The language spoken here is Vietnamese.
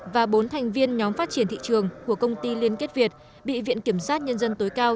và bốn thành viên nhóm phát triển thị trường của công ty liên kết việt bị viện kiểm sát nhân dân tối cao